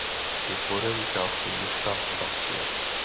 Je tvořen částí města Bastia.